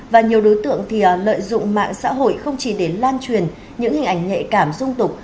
và nhiều đối tượng thì lợi dụng mạng xã hội không chỉ để lan truyền những hình ảnh nhạy cảm dung tục